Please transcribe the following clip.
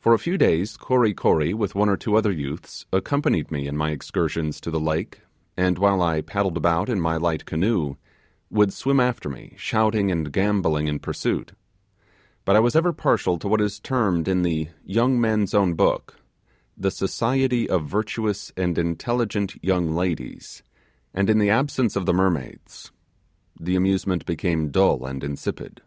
For a few days, Kory Kory, with one or two other youths, accompanied me in my excursions to the lake, and while I paddled about in my light canoe, would swim after me shouting and gambolling in pursuit. But I as ever partial to what is termed in the 'Young Men's Own Book' 'the society of virtuous and intelligent young ladies;' and in the absence of the mermaids, the amusement became dull and insipid.